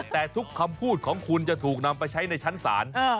แต่ทุกคำพูดของคุณจะถูกนำไปใช้ในชั้นศาล